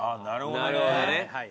なるほどね。